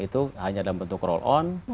itu hanya dalam bentuk roll on